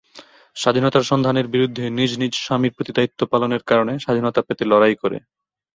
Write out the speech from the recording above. স্বাধীনতার সন্ধানের বিরুদ্ধে নিজ নিজ স্বামীর প্রতি দায়িত্ব পালনের কারণে স্বাধীনতা পেতে লড়াই করে।